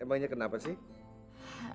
emangnya kenapa sih